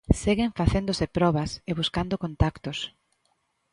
Seguen facéndose probas, e buscando contactos.